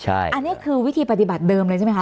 อันนี้คือวิธีปฏิบัติเดิมเลยใช่ไหมค